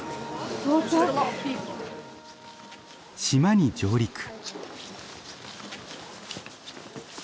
島に上陸。